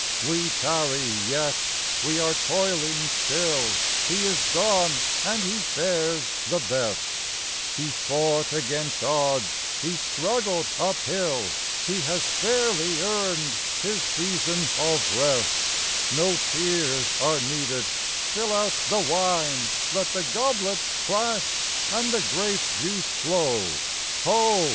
We tarry yet, we are toiling still, He is gone and he fares the best, He fought against odds, he struggled up hill, He has fairly earned his season of rest; No tears are needed—fill our the wine, Let the goblets clash, and the grape juice flow, Ho!